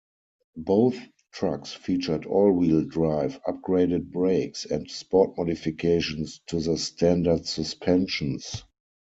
Both trucks featured all-wheel drive, upgraded brakes, and sport modifications to the standard suspensions.